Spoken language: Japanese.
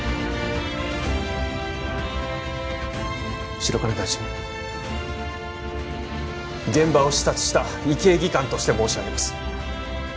白金大臣現場を視察した医系技官として申し上げます